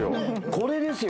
これですよ。